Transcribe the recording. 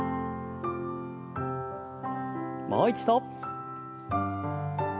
もう一度。